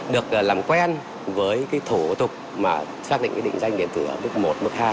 được làm quen với cái thủ tục mà xác định cái định danh điện tử ở mức một mức hai